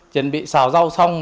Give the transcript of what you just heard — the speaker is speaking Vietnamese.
chuẩn bị xào rau xong